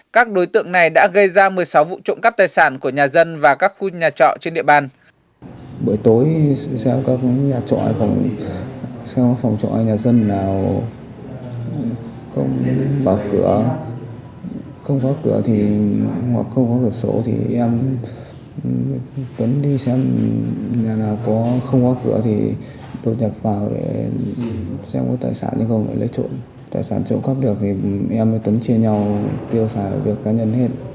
các đối tượng này đã gây ra một mươi sáu vụ trộm cắp tài sản của nhà dân và các khu nhà trọ trên địa bàn